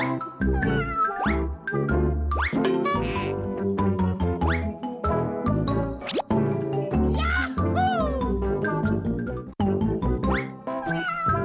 ย้าฮู้